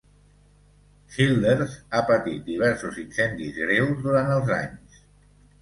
Childers ha petit diversos incendis greus durant els anys.